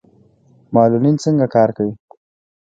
معلولین څنګه کار کوي؟